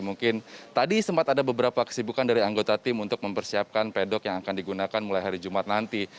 mungkin tadi sempat ada beberapa kesibukan dari anggota tim untuk mempersiapkan pedok yang akan digunakan mulai hari jumat nanti